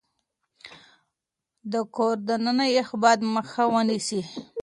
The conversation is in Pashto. د کور دننه يخ باد مخه ونيسئ.